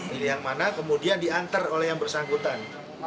pilih yang mana kemudian diantar oleh yang bersangkutan